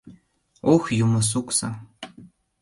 Ох, юмо-суксо!